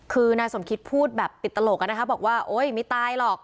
คือนายสมคิดพูดแบบติดตลกบอกว่าโอ๊ยไม่ตายหรอก